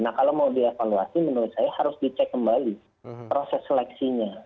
nah kalau mau dievaluasi menurut saya harus dicek kembali proses seleksinya